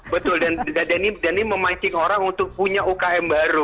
betul dan ini memancing orang untuk punya ukm baru